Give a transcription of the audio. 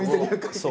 そう。